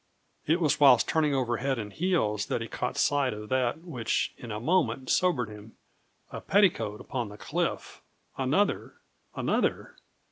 It was whilst turning over head and heels that he caught sight of that which, in a moment, sobered him a petticoat upon the cliff another, another!